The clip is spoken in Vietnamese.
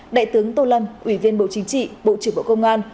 đại tướng tô lâm ủy viên bộ chính trị bộ trưởng bộ công an